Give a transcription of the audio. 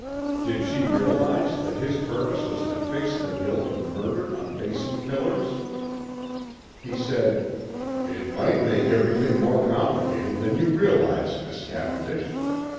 Did she realize that his purpose was to fix the guilt of murder on Basin killers? He said, "It might make everything more complicated than you realize, Miss Cavendish."